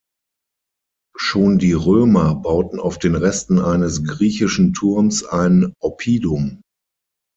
Schon die Römer bauten auf den Resten eines griechischen Turms ein Oppidum.